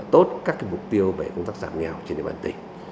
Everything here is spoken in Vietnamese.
tốt các mục tiêu về công tác giảm nghèo trên địa bàn tỉnh